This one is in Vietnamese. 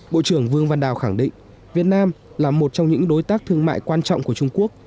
bộ trưởng vương văn đào khẳng định việt nam là một trong những đối tác thương mại quan trọng của trung quốc